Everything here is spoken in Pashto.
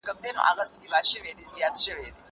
زه اوږده وخت سبا ته فکر کوم!؟